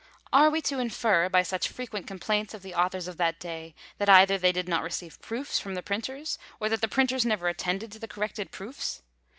Are we to infer, by such frequent complaints of the authors of that day, that either they did not receive proofs from the printers, or that the printers never attended to the corrected proofs?